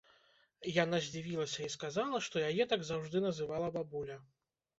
Яна здзівілася і сказала, што яе так заўжды называла бабуля.